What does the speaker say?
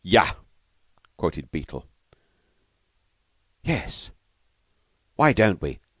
Yah!" quoted Beetle. "Yes, why don't we?